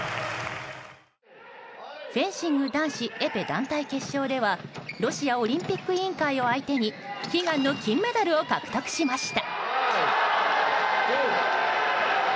フェンシング男子エペ団体決勝ではロシアオリンピック委員会を相手に悲願の金メダルを獲得しました。